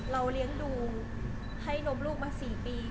เลี้ยงดูให้นมลูกมา๔ปี